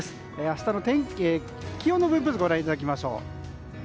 明日の気温の分布図ご覧いただきましょう。